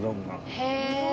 へえ。